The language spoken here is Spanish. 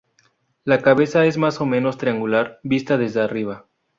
La cabeza es más o menos triangular vista desde arriba.